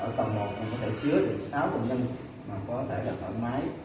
ở tầng một mình có thể chứa được sáu bệnh nhân mà có thể là thẩm máy